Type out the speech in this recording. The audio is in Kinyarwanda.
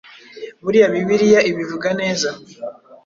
buriya bibiliya ibivuga neza